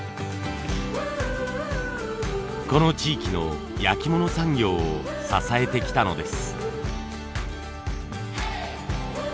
この地域の焼き物産業を支えてきたのです。